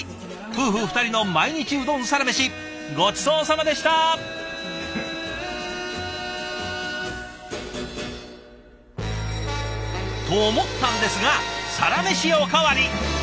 夫婦２人の毎日うどんサラメシごちそうさまでした！と思ったんですがサラメシおかわり！